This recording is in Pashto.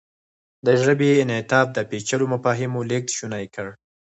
د ژبې انعطاف د پېچلو مفاهیمو لېږد شونی کړ.